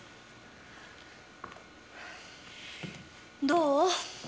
どう？